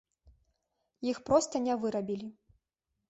Іх проста не вырабілі.